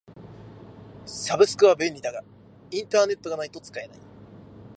サブスクは便利だがインターネットがないと使えない。